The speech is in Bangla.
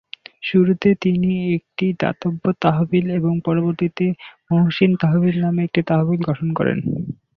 শুরুতে তিনি একটি দাতব্য তহবিল এবং পরবর্তীতে "মহসিন তহবিল" নামে একটি তহবিল গঠন করেন।